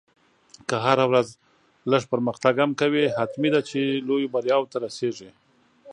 که هره ورځ لږ پرمختګ هم کوې، حتمي ده چې لویو بریاوو ته رسېږې.